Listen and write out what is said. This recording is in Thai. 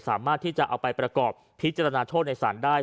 สามารถที่จะเอาไปประกอบพิจารณาโทษในศาลได้